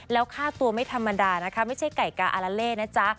แล้วค่าตัวไม่ธรรมดานะคะไม่ใช่ไก่กาอาลาเล่นะจ๊ะ